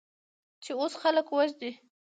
چې اوس خلک وژنې؟